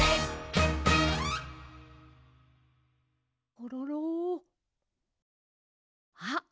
コロロあっ